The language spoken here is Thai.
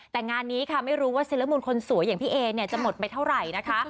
แต่งานนี้ค่ะไม่รู้ว่าศิลมูลคนสวยอย่างพี่เอเนี่ยจะหมดไปเท่าไหร่นะคะ